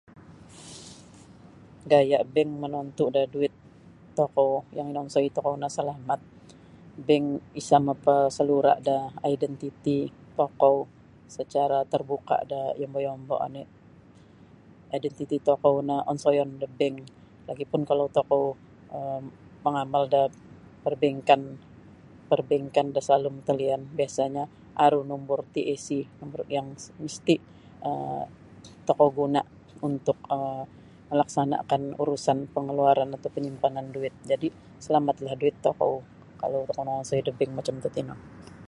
Gaya' bank monontu' da duit tokou yang inonsoi tokou no salamat bank isa' mapasalura' da identiti tokou sacara tarbuka' da yombo-yombo' oni' identiti tokou no onsoyon da bank lagi pun kalau tokou um mangamal da parbankan parbankan da salalum talian biasanyo aru numbur TAC yang misti' um tokou guna' untuk um malaksanakan urusan pangaluaran atau panyimpanan duit jadi' salamatlah duit tokou kalau tokou nangonsoi da bank macam tatino.